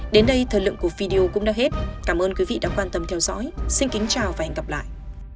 đến đây thời lượng của video cũng đã hết cảm ơn quý vị đã quan tâm theo dõi xin kính chào và hẹn gặp lại